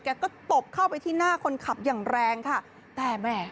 แกก็ตบเข้าไปที่หน้าคนขับอย่างแรงค่ะแต่แหม